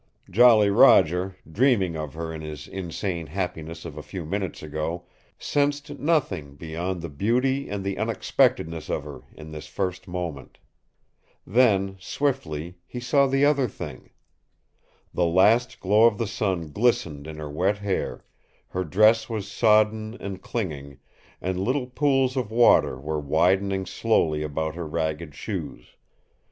Jolly Roger, dreaming of her in his insane happiness of a few minutes ago, sensed nothing beyond the beauty and the unexpectedness of her in this first moment. Then swiftly he saw the other thing. The last glow of the sun glistened in her wet hair, her dress was sodden and clinging, and little pools of water were widening slowly about her ragged shoes.